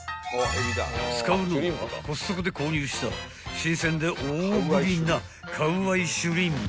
［使うのはコストコで購入した新鮮で大ぶりなカウアイシュリンプ］